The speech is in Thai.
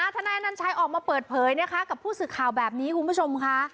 ทนายอนัญชัยออกมาเปิดเผยนะคะกับผู้สื่อข่าวแบบนี้คุณผู้ชมค่ะ